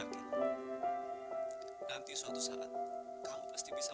tentu tante ibu